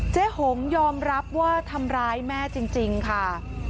หงยอมรับว่าทำร้ายแม่จริงค่ะ